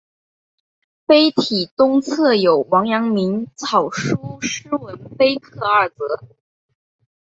碑体东侧有王阳明草书诗文碑刻二则。